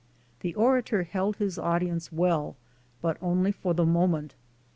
The orator held his audience well, but only for the mo ment.